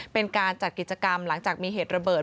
เป็นการจัดกิจกรรมหลังจากมีเหตุระเบิด